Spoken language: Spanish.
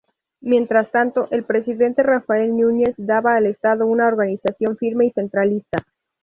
Mientras tanto, el presidente Rafael Núñez daba al Estado una organización firme y centralista.